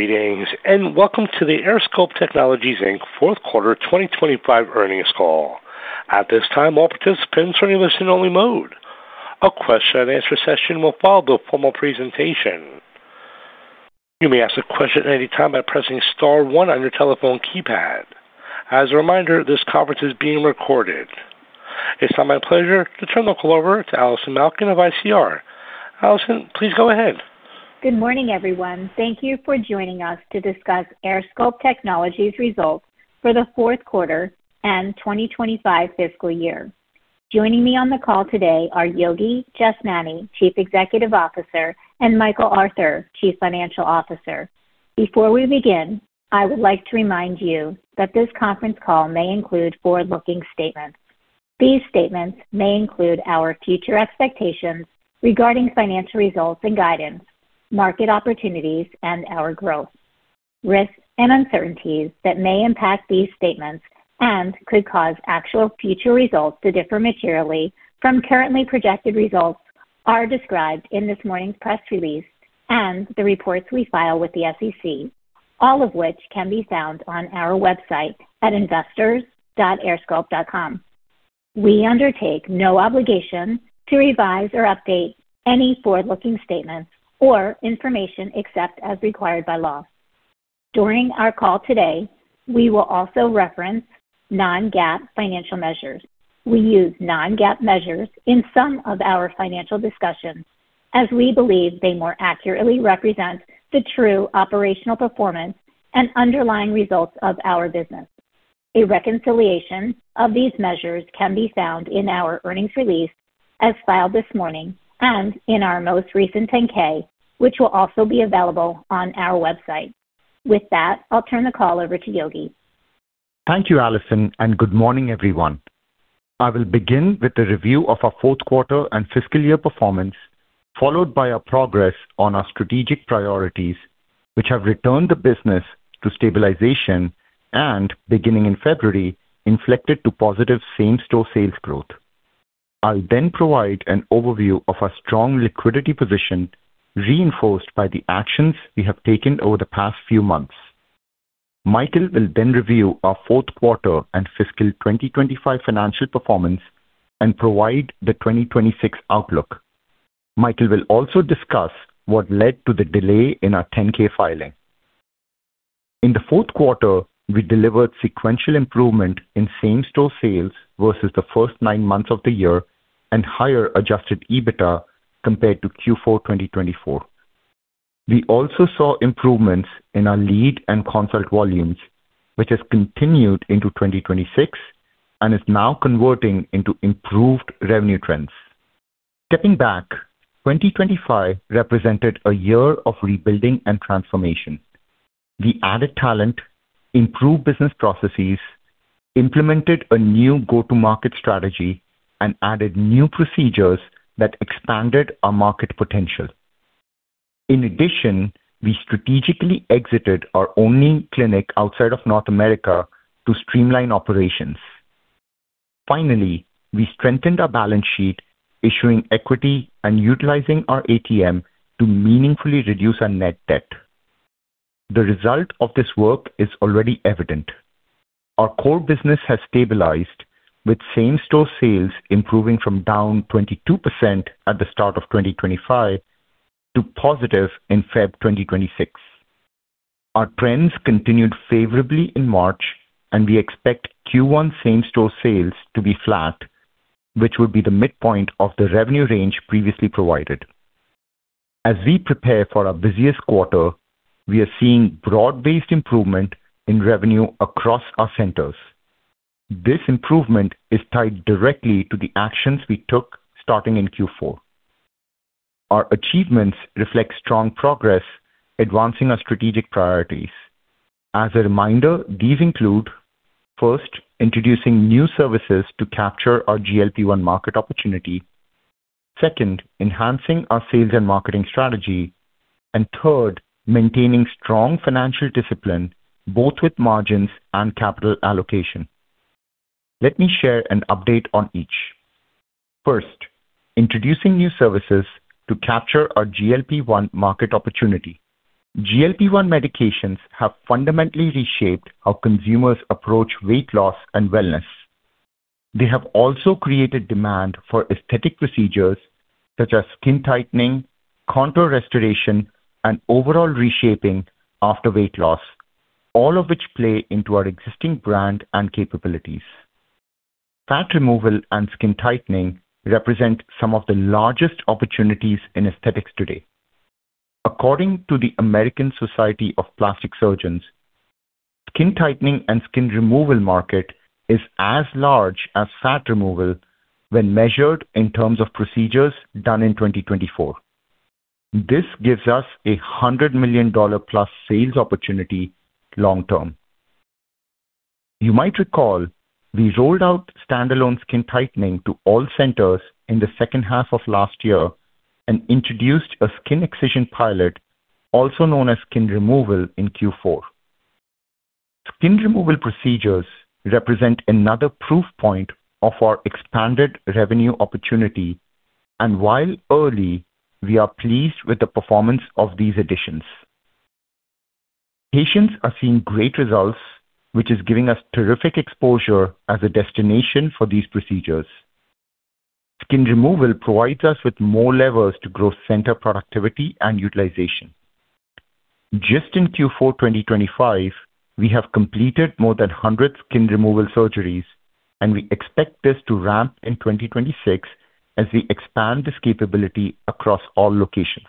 Greetings, and welcome to the AirSculpt Technologies, Inc. fourth quarter 2025 earnings call. At this time, all participants are in listen-only mode. A question-and-answer session will follow the formal presentation. You may ask a question at any time by pressing star one on your telephone keypad. As a reminder, this conference is being recorded. It's now my pleasure to turn the call over to Allison Malkin of ICR. Allison, please go ahead. Good morning, everyone. Thank you for joining us to discuss AirSculpt Technologies results for the fourth quarter and 2025 fiscal year. Joining me on the call today are Yogi Jashnani, Chief Executive Officer, and Michael Arthur, Chief Financial Officer. Before we begin, I would like to remind you that this conference call may include forward-looking statements. These statements may include our future expectations regarding financial results and guidance, market opportunities, and our growth. Risks and uncertainties that may impact these statements and could cause actual future results to differ materially from currently projected results are described in this morning's press release and the reports we file with the SEC, all of which can be found on our website at investors.airsculpt.com. We undertake no obligation to revise or update any forward-looking statements or information except as required by law. During our call today, we will also reference non-GAAP financial measures. We use non-GAAP measures in some of our financial discussions as we believe they more accurately represent the true operational performance and underlying results of our business. A reconciliation of these measures can be found in our earnings release as filed this morning and in our most recent 10-K, which will also be available on our website. With that, I'll turn the call over to Yogi. Thank you, Allison, and good morning, everyone. I will begin with a review of our fourth quarter and fiscal year performance, followed by our progress on our strategic priorities, which have returned the business to stabilization and beginning in February, inflected to positive same-store sales growth. I'll then provide an overview of our strong liquidity position, reinforced by the actions we have taken over the past few months. Michael will then review our fourth quarter and fiscal 2025 financial performance and provide the 2026 outlook. Michael will also discuss what led to the delay in our 10-K filing. In the fourth quarter, we delivered sequential improvement in same-store sales versus the first nine months of the year and higher adjusted EBITDA compared to Q4 2024. We also saw improvements in our lead and consult volumes, which has continued into 2026 and is now converting into improved revenue trends. Stepping back, 2025 represented a year of rebuilding and transformation. We added talent, improved business processes, implemented a new go-to-market strategy, and added new procedures that expanded our market potential. In addition, we strategically exited our only clinic outside of North America to streamline operations. Finally, we strengthened our balance sheet, issuing equity and utilizing our ATM to meaningfully reduce our net debt. The result of this work is already evident. Our core business has stabilized, with same-store sales improving from down 22% at the start of 2025 to positive in Feb 2026. Our trends continued favorably in March, and we expect Q1 same-store sales to be flat, which would be the midpoint of the revenue range previously provided. As we prepare for our busiest quarter, we are seeing broad-based improvement in revenue across our centers. This improvement is tied directly to the actions we took starting in Q4. Our achievements reflect strong progress advancing our strategic priorities. As a reminder, these include, first, introducing new services to capture our GLP-1 market opportunity. Second, enhancing our sales and marketing strategy. Third, maintaining strong financial discipline, both with margins and capital allocation. Let me share an update on each. First, introducing new services to capture our GLP-1 market opportunity. GLP-1 medications have fundamentally reshaped how consumers approach weight loss and wellness. They have also created demand for aesthetic procedures such as skin tightening, contour restoration, and overall reshaping after weight loss, all of which play into our existing brand and capabilities. Fat removal and skin tightening represent some of the largest opportunities in aesthetics today. According to the American Society of Plastic Surgeons, the skin tightening and skin removal market is as large as fat removal when measured in terms of procedures done in 2024. This gives us a $100 million+ sales opportunity long term. You might recall we rolled out standalone skin tightening to all centers in the second half of last year and introduced a skin excision pilot, also known as skin removal, in Q4. Skin removal procedures represent another proof point of our expanded revenue opportunity. While early, we are pleased with the performance of these additions. Patients are seeing great results, which is giving us terrific exposure as a destination for these procedures. Skin removal provides us with more levers to grow center productivity and utilization. Just in Q4 2025, we have completed more than 100 skin removal surgeries, and we expect this to ramp in 2026 as we expand this capability across all locations.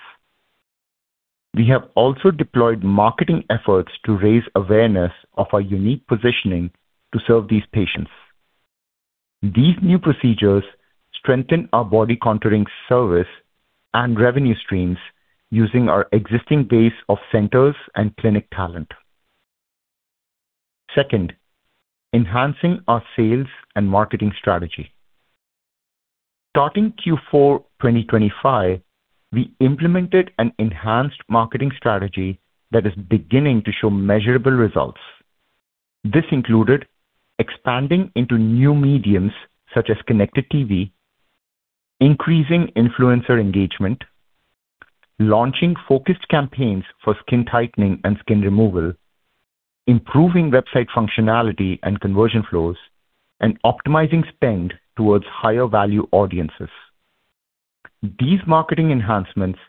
We have also deployed marketing efforts to raise awareness of our unique positioning to serve these patients. These new procedures strengthen our body contouring service and revenue streams using our existing base of centers and clinic talent. Second, enhancing our sales and marketing strategy. Starting Q4 2025, we implemented an enhanced marketing strategy that is beginning to show measurable results. This included expanding into new mediums such as connected TV, increasing influencer engagement, launching focused campaigns for skin tightening and skin removal, improving website functionality and conversion flows, and optimizing spend towards higher value audiences. These marketing enhancements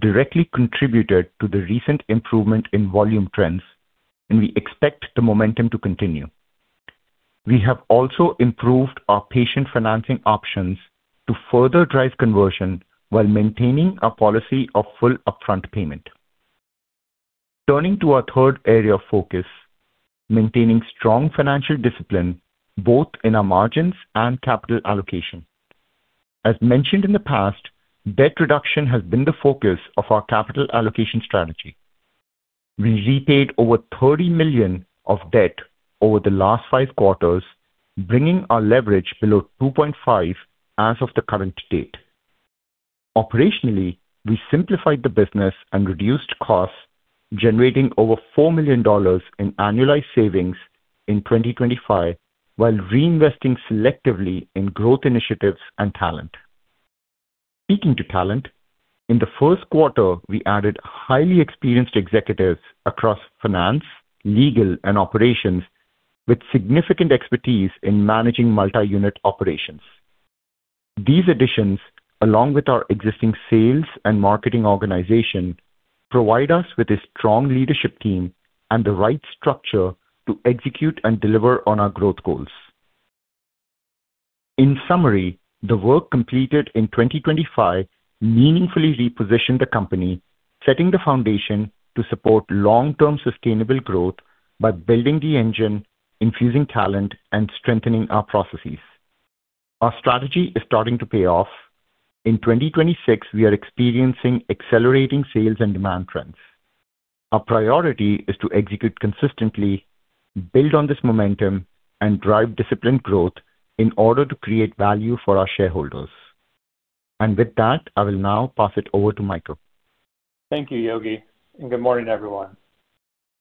directly contributed to the recent improvement in volume trends, and we expect the momentum to continue. We have also improved our patient financing options to further drive conversion while maintaining our policy of full upfront payment. Turning to our third area of focus, maintaining strong financial discipline both in our margins and capital allocation. As mentioned in the past, debt reduction has been the focus of our capital allocation strategy. We repaid over $30 million of debt over the last five quarters, bringing our leverage below 2.5 as of the current date. Operationally, we simplified the business and reduced costs, generating over $4 million in annualized savings in 2025 while reinvesting selectively in growth initiatives and talent. Speaking to talent, in the first quarter, we added highly experienced executives across finance, legal, and operations with significant expertise in managing multi-unit operations. These additions, along with our existing sales and marketing organization, provide us with a strong leadership team and the right structure to execute and deliver on our growth goals. In summary, the work completed in 2025 meaningfully repositioned the company, setting the foundation to support long-term sustainable growth by building the engine, infusing talent, and strengthening our processes. Our strategy is starting to pay off. In 2026, we are experiencing accelerating sales and demand trends. Our priority is to execute consistently, build on this momentum, and drive disciplined growth in order to create value for our shareholders. With that, I will now pass it over to Michael. Thank you, Yogi, and good morning, everyone.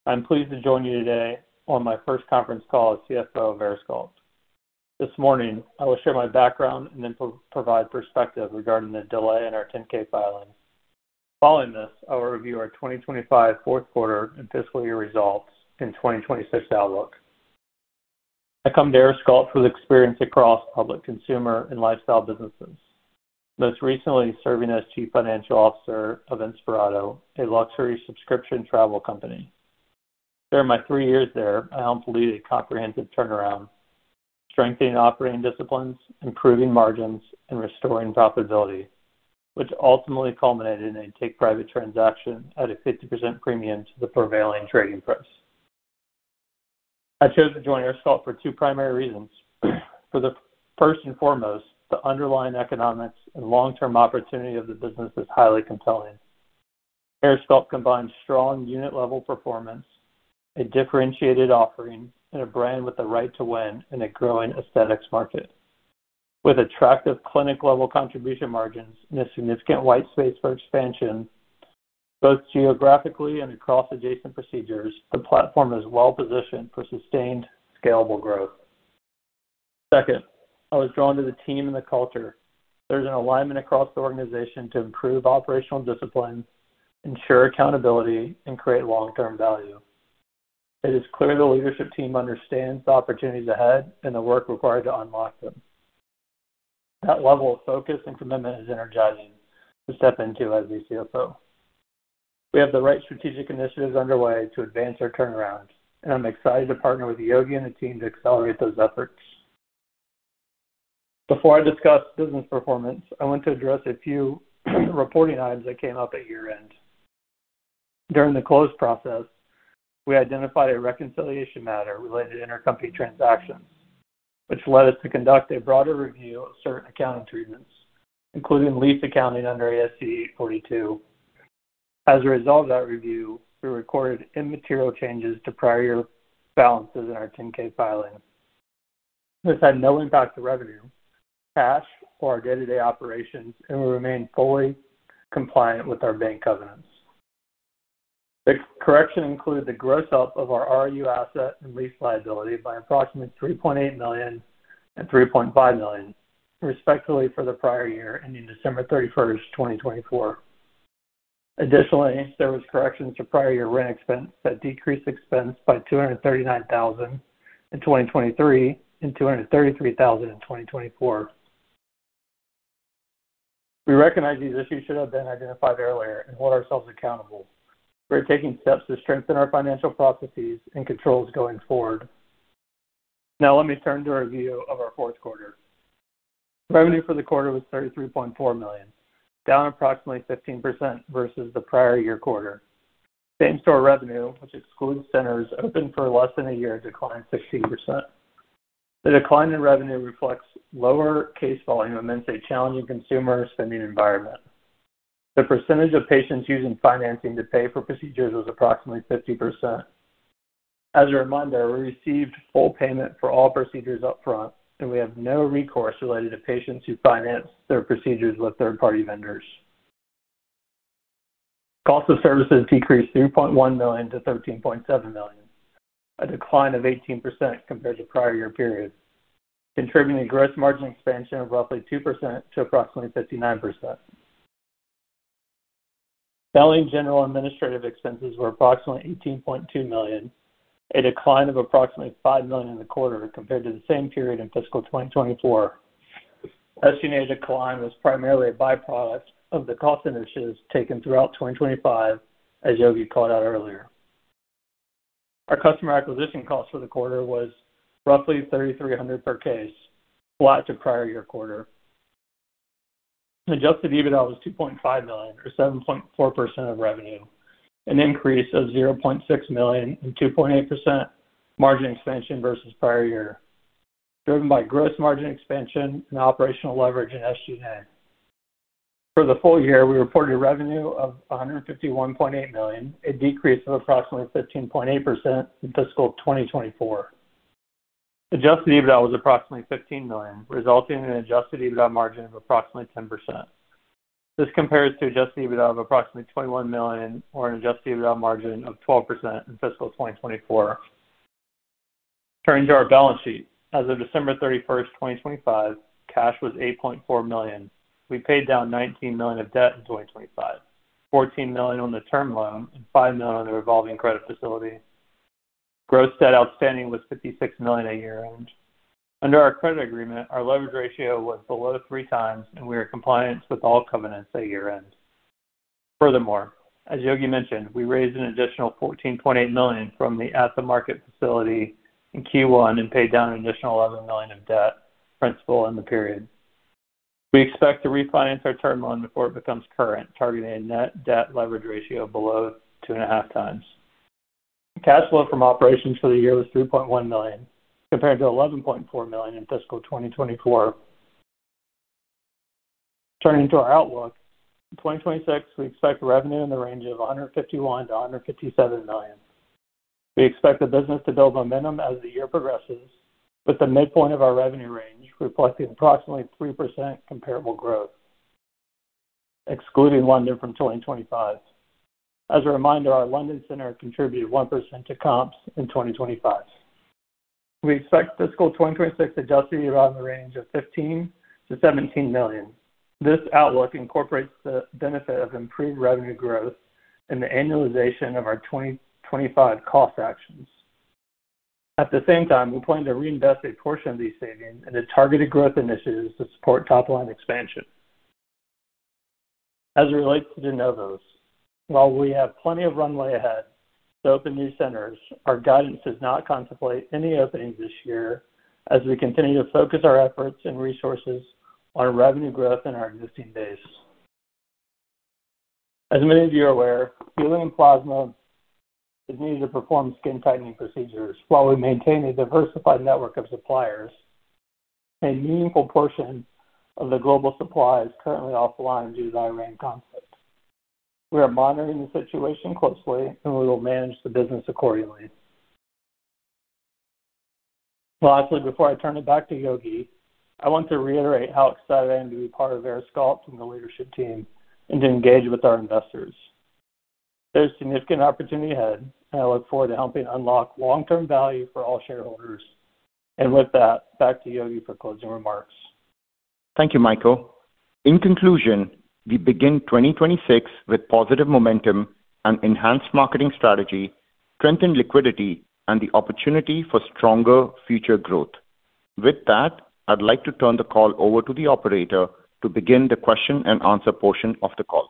I'm pleased to join you today on my first conference call as CFO of AirSculpt. This morning, I will share my background and then provide perspective regarding the delay in our 10-K filing. Following this, I will review our 2025 fourth quarter and fiscal year results and 2026 outlook. I come to AirSculpt with experience across public consumer and lifestyle businesses, most recently serving as Chief Financial Officer of Inspirato, a luxury subscription travel company. During my three years there, I helped lead a comprehensive turnaround, strengthening operating disciplines, improving margins, and restoring profitability, which ultimately culminated in a take-private transaction at a 50% premium to the prevailing trading price. I chose to join AirSculpt for two primary reasons. For the first and foremost, the underlying economics and long-term opportunity of the business is highly compelling. AirSculpt combines strong unit-level performance, a differentiated offering, and a brand with the right to win in a growing aesthetics market. With attractive clinic-level contribution margins and a significant white space for expansion, both geographically and across adjacent procedures, the platform is well-positioned for sustained scalable growth. Second, I was drawn to the team and the culture. There's an alignment across the organization to improve operational discipline, ensure accountability, and create long-term value. It is clear the leadership team understands the opportunities ahead and the work required to unlock them. That level of focus and commitment is energizing to step into as the CFO. We have the right strategic initiatives underway to advance our turnaround, and I'm excited to partner with Yogi and the team to accelerate those efforts. Before I discuss business performance, I want to address a few reporting items that came up at year-end. During the close process, we identified a reconciliation matter related to intercompany transactions, which led us to conduct a broader review of certain accounting treatments, including lease accounting under ASC 842. As a result of that review, we recorded immaterial changes to prior year balances in our 10-K filing. This had no impact to revenue, cash or our day-to-day operations, and we remain fully compliant with our bank covenants. The correction included the gross up of our ROU asset and lease liability by approximately $3.8 million and $3.5 million, respectively, for the prior year ending December 31st, 2024. Additionally, there was corrections to prior year rent expense that decreased expense by $239,000 in 2023 and $233,000 in 2024. We recognize these issues should have been identified earlier and hold ourselves accountable. We're taking steps to strengthen our financial processes and controls going forward. Now let me turn to a review of our fourth quarter. Revenue for the quarter was $33.4 million, down approximately 15% versus the prior year quarter. Same-store revenue, which excludes centers open for less than a year, declined 16%. The decline in revenue reflects lower case volume amidst a challenging consumer spending environment. The percentage of patients using financing to pay for procedures was approximately 50%. As a reminder, we received full payment for all procedures up front, and we have no recourse related to patients who finance their procedures with third-party vendors. Cost of services decreased $3.1 million-$13.7 million, a decline of 18% compared to prior year period, contributing gross margin expansion of roughly 2% to approximately 59%. Selling general administrative expenses were approximately $18.2 million, a decline of approximately $5 million in the quarter compared to the same period in fiscal 2024. SG&A decline was primarily a byproduct of the cost initiatives taken throughout 2025, as Yogi called out earlier. Our customer acquisition cost for the quarter was roughly 3,300 per case, flat to prior-year quarter. Adjusted EBITDA was $2.5 million or 7.4% of revenue, an increase of $0.6 million and 2.8% margin expansion versus prior year, driven by gross margin expansion and operational leverage in SG&A. For the full year, we reported revenue of $151.8 million, a decrease of approximately 15.8% in fiscal 2024. Adjusted EBITDA was approximately $15 million, resulting in an adjusted EBITDA margin of approximately 10%. This compares to adjusted EBITDA of approximately $21 million or an adjusted EBITDA margin of 12% in fiscal 2024. Turning to our balance sheet. As of December 31st, 2025, cash was $8.4 million. We paid down $19 million of debt in 2025, $14 million on the term loan and $5 million on the revolving credit facility. Gross debt outstanding was $56 million at year-end. Under our credit agreement, our leverage ratio was below 3x and we are in compliance with all covenants at year-end. Furthermore, as Yogi mentioned, we raised an additional $14.8 million from the at-the-market facility in Q1 and paid down an additional $11 million of debt principal in the period. We expect to refinance our term loan before it becomes current, targeting a net debt leverage ratio below 2.5x. Cash flow from operations for the year was $3.1 million, compared to $11.4 million in fiscal 2024. Turning to our outlook. In 2026, we expect revenue in the range of $151 million-$157 million. We expect the business to build momentum as the year progresses with the midpoint of our revenue range reflecting approximately 3% comparable growth, excluding London from 2025. As a reminder, our London center contributed 1% to comps in 2025. We expect fiscal 2026 adjusted EBITDA in the range of $15 million-$17 million. This outlook incorporates the benefit of improved revenue growth and the annualization of our 2025 cost actions. At the same time, we plan to reinvest a portion of these savings into targeted growth initiatives to support top-line expansion. As it relates to de novos, while we have plenty of runway ahead to open new centers, our guidance does not contemplate any openings this year as we continue to focus our efforts and resources on revenue growth in our existing base. As many of you are aware, helium plasma is needed to perform skin tightening procedures. While we maintain a diversified network of suppliers, a meaningful portion of the global supply is currently offline due to the Iran conflict. We are monitoring the situation closely and we will manage the business accordingly. Lastly, before I turn it back to Yogi, I want to reiterate how excited I am to be part of AirSculpt and the leadership team and to engage with our investors. There's significant opportunity ahead, and I look forward to helping unlock long-term value for all shareholders. With that, back to Yogi for closing remarks. Thank you, Michael. In conclusion, we begin 2026 with positive momentum, an enhanced marketing strategy, strengthened liquidity, and the opportunity for stronger future growth. With that, I'd like to turn the call over to the operator to begin the question and answer portion of the call.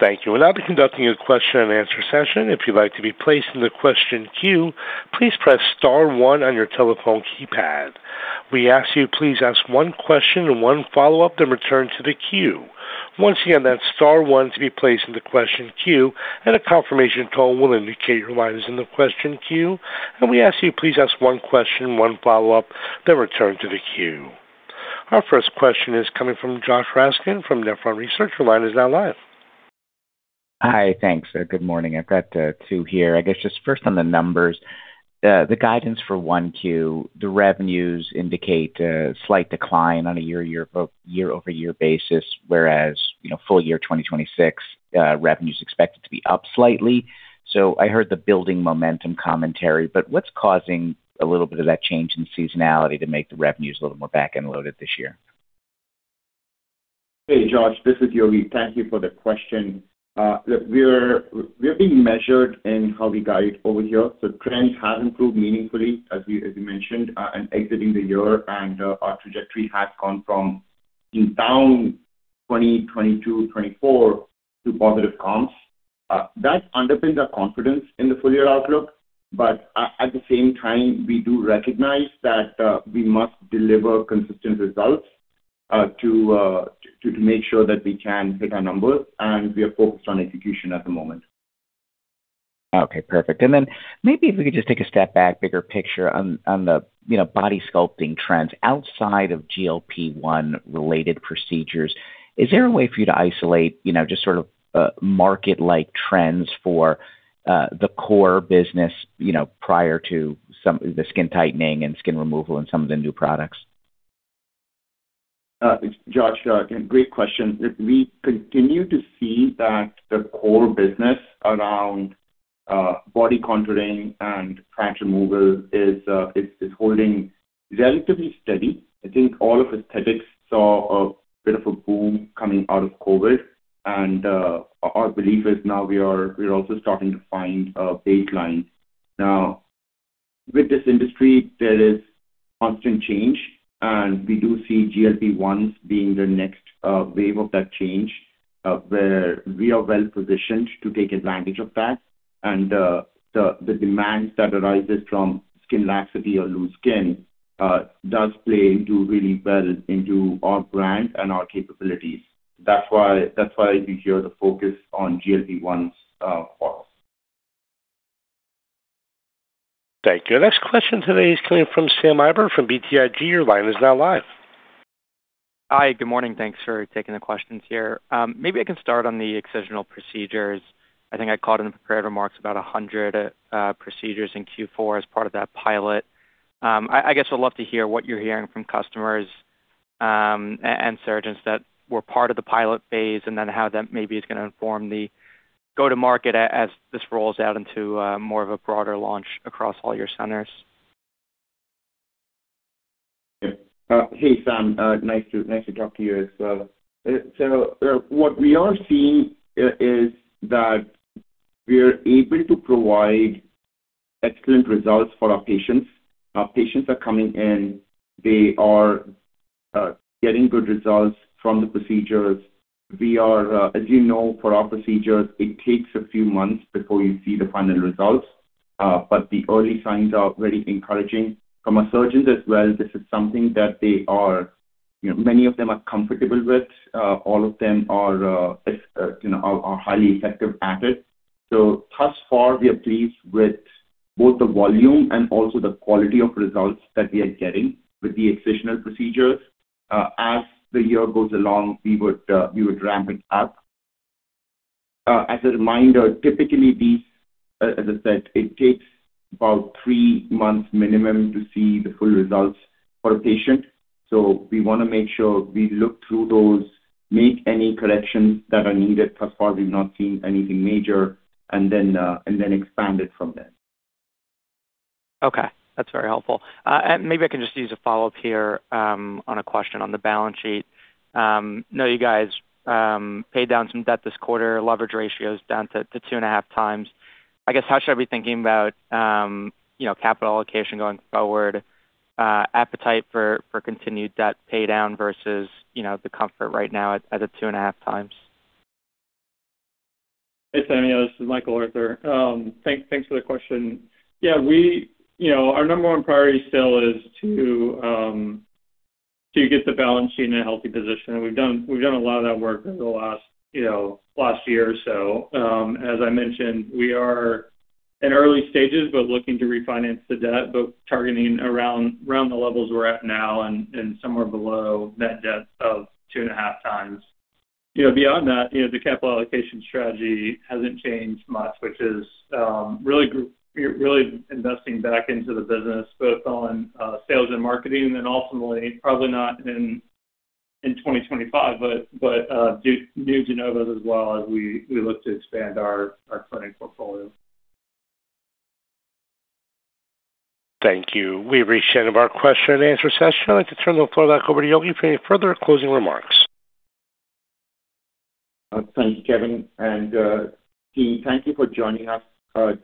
Thank you. We'll now be conducting a question and answer session. If you'd like to be placed in the question queue, please press star one on your telephone keypad. We ask you please ask one question and one follow-up, then return to the queue. Once again, that's star one to be placed in the question queue, and a confirmation call will indicate your line is in the question queue. We ask you please ask one question, one follow-up, then return to the queue. Our first question is coming from Josh Raskin from Nephron Research. Your line is now live. Hi. Thanks. Good morning. I've got two here. I guess just first on the numbers. The guidance for 1Q, the revenues indicate a slight decline on a year-over-year basis, whereas, you know, full year 2026, revenue is expected to be up slightly. I heard the building momentum commentary, but what's causing a little bit of that change in seasonality to make the revenues a little more back-end loaded this year? Hey, Josh, this is Yogi. Thank you for the question. We're being measured in how we guide over here. Trends have improved meaningfully as we mentioned, and exiting the year, our trajectory has gone from down 2022 to 2024 to positive comps. That underpins our confidence in the full year outlook. At the same time, we do recognize that we must deliver consistent results to make sure that we can hit our numbers, and we are focused on execution at the moment. Okay, perfect. Maybe if we could just take a step back, bigger picture on the, you know, body sculpting trends outside of GLP-1 related procedures. Is there a way for you to isolate, you know, just sort of, market like trends for, the core business, you know, prior to the skin tightening and skin removal and some of the new products? Josh, great question. We continue to see that the core business around body contouring and fat removal is holding relatively steady. I think all of aesthetics saw a bit of a boom coming out of COVID. Our belief is now we're also starting to find a baseline. Now, with this industry there is constant change, and we do see GLP-1 being the next wave of that change, where we are well-positioned to take advantage of that. The demand that arises from skin laxity or loose skin does play into really well into our brand and our capabilities. That's why you hear the focus on GLP-1 products. Thank you. Next question today is coming from Sam Eiber from BTIG. Your line is now live. Hi. Good morning. Thanks for taking the questions here. Maybe I can start on the excisional procedures. I think I caught in the prepared remarks about 100 procedures in Q4 as part of that pilot. I guess I'd love to hear what you're hearing from customers, and surgeons that were part of the pilot phase and then how that maybe is gonna inform the go-to-market as this rolls out into more of a broader launch across all your centers. Hey, Sam, nice to talk to you as well. What we are seeing is that we are able to provide excellent results for our patients. Our patients are coming in, they are getting good results from the procedures. We are, as you know, for our procedures, it takes a few months before you see the final results, but the early signs are very encouraging. From our surgeons as well, this is something that they are, you know, many of them are comfortable with. All of them are, you know, highly effective at it. Thus far, we are pleased with both the volume and also the quality of results that we are getting with the excisional procedures. As the year goes along, we would ramp it up. As a reminder, typically these, as I said, it takes about three months minimum to see the full results for a patient. We wanna make sure we look through those, make any corrections that are needed. Thus far, we've not seen anything major. Expand it from there. Okay. That's very helpful. Maybe I can just use a follow-up here, on a question on the balance sheet. I know you guys paid down some debt this quarter. Leverage ratio is down to 2.5x. I guess, how should I be thinking about, you know, capital allocation going forward, appetite for continued debt pay down versus, you know, the comfort right now at a 2.5x? Hey, Sam. Yeah, this is Michael Arthur. Thanks for the question. Yeah, we, you know, our number one priority still is to get the balance sheet in a healthy position. We've done a lot of that work over the last, you know, year or so. As I mentioned, we are in early stages, but looking to refinance the debt, both targeting around the levels we're at now and somewhere below net debt of 2.5x. You know, beyond that, you know, the capital allocation strategy hasn't changed much, which is really investing back into the business, both on sales and marketing and then ultimately, probably not in 2025, but new de novos as well as we look to expand our clinic portfolio. Thank you. We've reached the end of our question and answer session. I'd like to turn the floor back over to Yogi for any further closing remarks. Thank you, Kevin. Team, thank you for joining us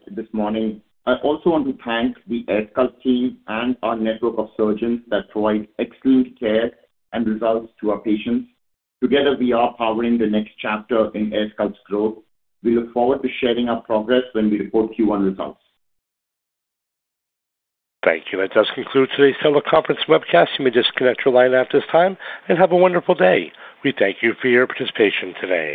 this morning. I also want to thank the AirSculpt team and our network of surgeons that provide excellent care and results to our patients. Together, we are powering the next chapter in AirSculpt's growth. We look forward to sharing our progress when we report Q1 results. Thank you. That does conclude today's teleconference webcast. You may disconnect your line after this time, and have a wonderful day. We thank you for your participation today.